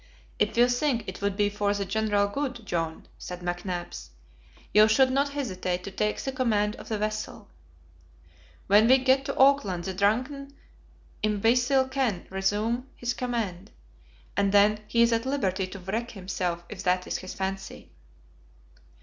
"If you think it would be for the general good, John," said McNabbs, "you should not hesitate to take the command of the vessel. When we get to Auckland the drunken imbecile can resume his command, and then he is at liberty to wreck himself, if that is his fancy."